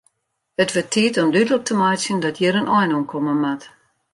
It wurdt tiid om dúdlik te meitsjen dat hjir in ein oan komme moat.